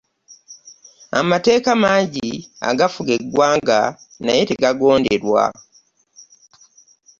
Amateeka mangi agafuga eggwanga naye tegagonderwa.